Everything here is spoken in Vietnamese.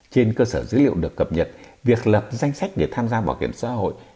trên cơ sở dữ liệu được cập nhật việc lập danh sách để tham gia bảo hiểm xã hội